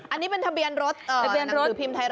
อันนี้เป็นทะเบียนรถหนังสือพิมพ์ไทยรัฐ